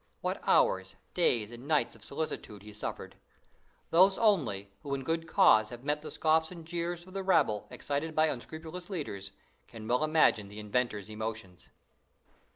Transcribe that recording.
What hours, days and nights of solicitude he suffered! Those only, who in a good cause have met the scoffs and jeers of the rabble excited by unscrupulous leaders, can well imagine the inventor's emotions.